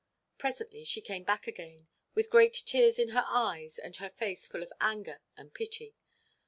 Presently she came back again, with great tears in her eyes, and her face full of anger and pity.